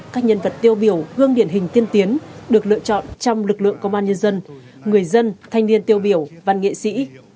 các nhân vật tiêu biểu gương điển hình tiên tiến được lựa chọn trong lực lượng công an nhân dân người dân thanh niên tiêu biểu văn nghệ sĩ